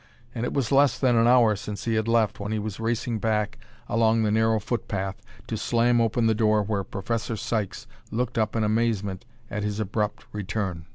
And it was less than an hour since he had left when he was racing back along the narrow footpath to slam open the door where Professor Sykes looked up in amazement at his abrupt return.